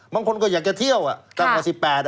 บางคนก็อยากจะเที่ยวตั้งประกาศ๑๘ละ